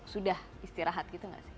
sudah istirahat gitu gak sih